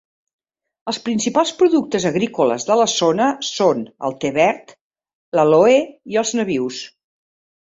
Els principals productes agrícoles de la zona són el te verd, l'àloe i els nabius.